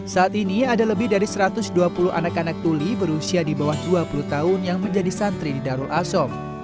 saat ini ada lebih dari satu ratus dua puluh anak anak tuli berusia di bawah dua puluh tahun yang menjadi santri di darul asom